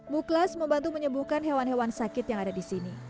muklas membantu menyembuhkan hewan hewan sakit yang ada di sini